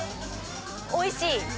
おいしい。